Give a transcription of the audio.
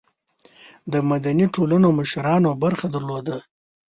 د مدني ټولنو مشرانو برخه درلوده.